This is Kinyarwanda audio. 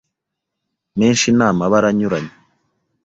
menshi n amabara anyuranye